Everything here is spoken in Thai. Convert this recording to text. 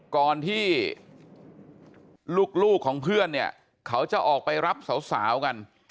ก่อนที่ลูกของเพื่อนเนี่ยเขาจะออกไปรับสาวกัน